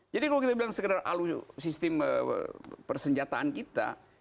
jadi kalau kita bilang sekedar alus sistem persenjataan kita